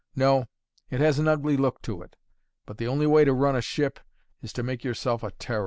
No; it has an ugly look to it, but the only way to run a ship is to make yourself a terror."